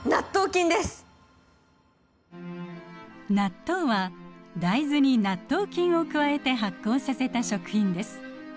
納豆は大豆に納豆菌を加えて発酵させた食品です。